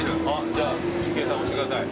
じゃあ郁恵さん押してください。